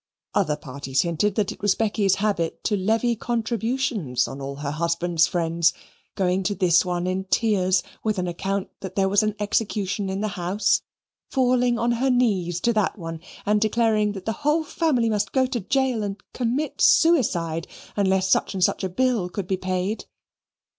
Other parties hinted that it was Becky's habit to levy contributions on all her husband's friends: going to this one in tears with an account that there was an execution in the house; falling on her knees to that one and declaring that the whole family must go to gaol or commit suicide unless such and such a bill could be paid.